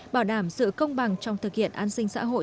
bảo đảm sự công bằng trong thực hiện an sinh xã hội